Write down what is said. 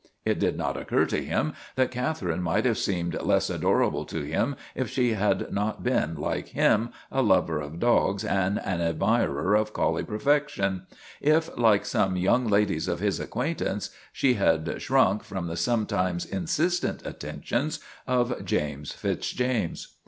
It did not occur to him that Catherine might have seemed less adorable to him if she had not been, like him, a lover of dogs and an admirer of collie perfection if, like some young ladies of his acquaintance, she had shrunk from the sometimes insistent attentions of James Fitz James.